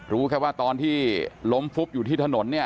รู้แค่ว่าตอนที่ล้มฟุบอยู่ที่ถนนเนี่ย